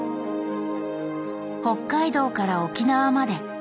北海道から沖縄まで。